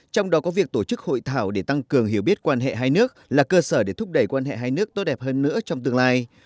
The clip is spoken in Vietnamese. trong đó có việc tổ chức hội thảo để tăng cường hiểu biết quan hệ hai nước là cơ sở để thúc đẩy quan hệ hai nước tốt đẹp hơn nữa trong tương lai